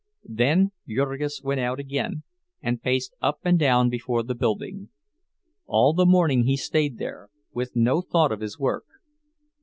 Then Jurgis went out again and paced up and down before the building. All the morning he stayed there, with no thought of his work.